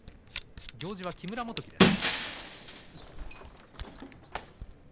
行司は木村元基です。